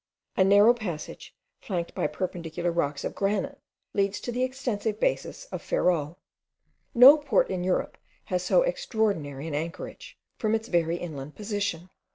A narrow passage, flanked by perpendicular rocks of granite, leads to the extensive basin of Ferrol. No port in Europe has so extraordinary an anchorage, from its very inland position.